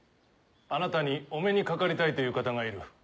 あなたにお目にかかりたいという方がいる。